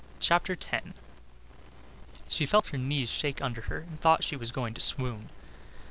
CHAPTER X She felt her knees shake under her and thought she was going to swoon.